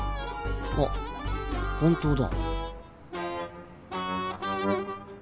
あ本当だ。